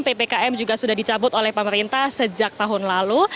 ppkm juga sudah dicabut oleh pemerintah sejak tahun lalu